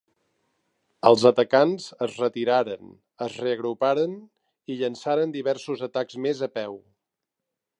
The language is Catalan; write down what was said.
Els atacants es retiraren, es reagruparen i llançaren diversos atacs més a peu.